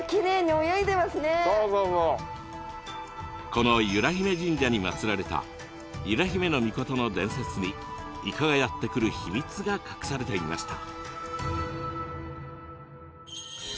この由良比女神社に祀られた由良比女命の伝説にイカがやって来る秘密が隠されていました。